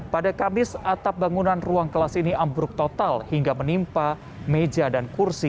pada kamis atap bangunan ruang kelas ini ambruk total hingga menimpa meja dan kursi